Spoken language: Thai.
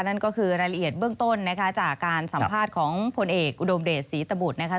นั่นก็คือรายละเอียดเบื้องต้นนะคะจากการสัมภาษณ์ของผลเอกอุดมเดชศรีตบุตรนะคะ